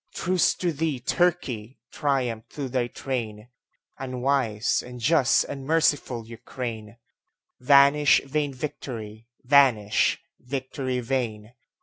Truce to thee, Turkey! Triumph to thy train, Unwise, unjust, unmerciful Ukraine! Vanish vain victory! vanish, victory vain!